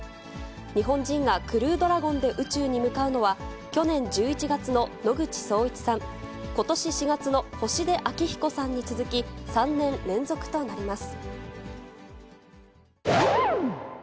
日本人がクルードラゴンで宇宙に向かうのは、去年１１月の野口聡一さん、ことし４月の星出彰彦さんに続き、３年連続となります。